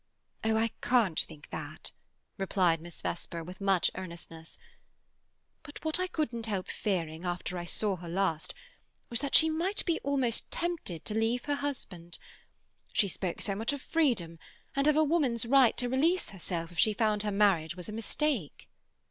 "Oh, I can't think that!" replied Miss Vesper, with much earnestness. "But what I couldn't help fearing, after I saw her last, was that she might almost be tempted to leave her husband. She spoke so much of freedom—and of a woman's right to release herself if she found her marriage was a mistake."